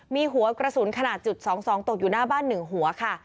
มีหัวกระสุนขนาดจุด๒๒ตกอยู่หน้าบ้าน๑หัวค่ะ